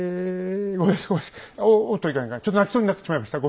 ちょっと泣きそうになってしまいました。